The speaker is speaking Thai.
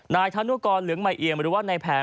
นายธานุกรเหลืองไม่เอียงมาดูว่าในแผน